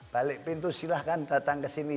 balik pintu silahkan datang kesini